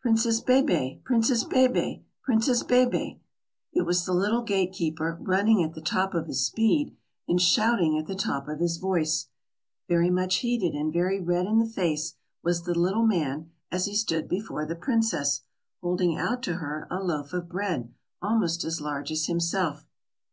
"Princess Bébè! Princess Bébè! Princess Bébè!" It was the little gate keeper, running at the top of his speed, and shouting at the top of his voice. Very much heated and very red in the face was the little man as he stood before the princess, holding out to her a loaf of bread almost as large as himself.